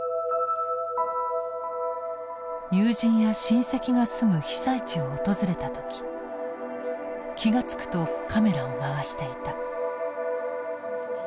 友人や親戚が住む被災地を訪れた時気が付くとカメラを回していた。